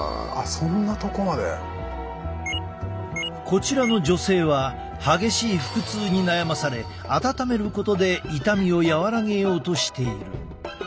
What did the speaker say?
こちらの女性は激しい腹痛に悩まされ温めることで痛みを和らげようとしている。